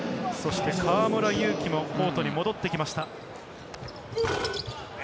河村勇輝もコートに戻ってきました。